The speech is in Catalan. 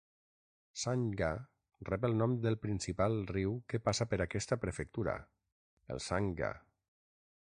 Sangha rep el nom del principal riu que passa per aquesta prefectura: el Sangha.